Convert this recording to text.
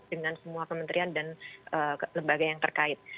dengan semua kementerian dan lembaga yang terkait